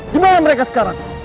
dimana mereka sekarang